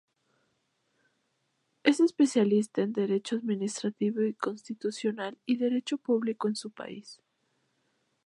Es especialista en derecho administrativo y constitucional y derecho público en su país.